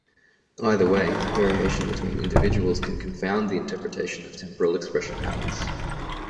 Either way, variation between individuals can confound the interpretation of temporal expression patterns.